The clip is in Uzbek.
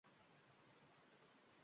Yulis Fiffer